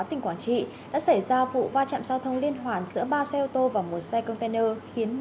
tỉnh quảng trị đã xảy ra vụ va chạm giao thông liên hoàn giữa ba xe ô tô và một xe container khiến